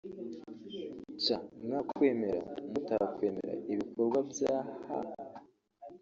sha mwakwemera mutakwemera ibikorwa bya H